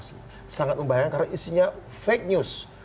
sangat membayangkan karena isinya fake news